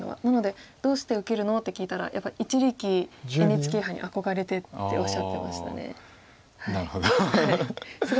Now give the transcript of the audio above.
なので「どうして受けるの？」って聞いたら「やっぱり一力ＮＨＫ杯に憧れて」っておっしゃってましたね。